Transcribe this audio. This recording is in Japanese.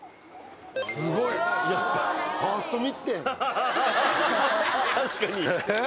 すごい確かにえっ？